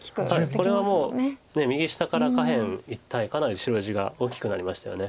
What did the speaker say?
これはもう右下から下辺一帯かなり白地が大きくなりましたよね。